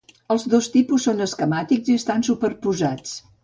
Els dos tipus són esquemàtics i estan superposats.